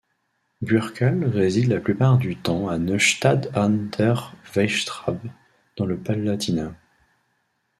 Bürckel réside la plupart du temps à Neustadt an der Weinstraße, dans le Palatinat.